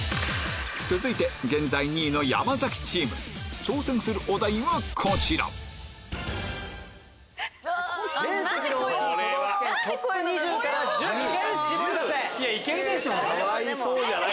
続いて現在２位の山崎チーム挑戦するお題はこちら大丈夫かな？